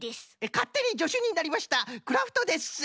かってにじょしゅになりましたクラフトです。